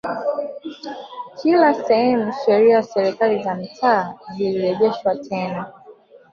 Kila sehemu sheria ya serikali za Mitaa zilirejeshwa tena